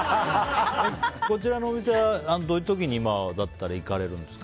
こちらのお店はどういう時に今だったら行かれるんですか？